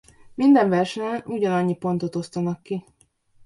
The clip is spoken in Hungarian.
Minden versenyen ugyanannyi pontot osztanak ki.